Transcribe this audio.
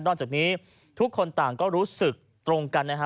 จากนี้ทุกคนต่างก็รู้สึกตรงกันนะฮะ